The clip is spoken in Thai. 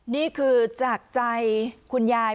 นี่คือจากใจคุณยาย